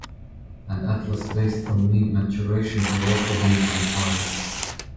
An atlas based on knee maturation has also been compiled.